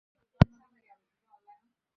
সূঁচ দেখিয়ে ওদের ভয় পাওয়ানোর কোনো প্রয়োজন নেই।